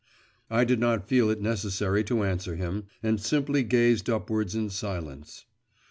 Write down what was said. I did not feel it necessary to answer him, and simply gazed upwards in silence.